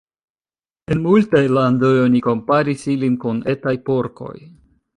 En multaj landoj oni komparis ilin kun etaj porkoj.